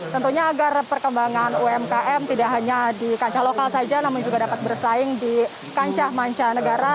tentunya agar perkembangan umkm tidak hanya di kancah lokal saja namun juga dapat bersaing di kancah manca negara